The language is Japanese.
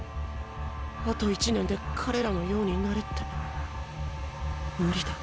あと１年で彼らのようになれって？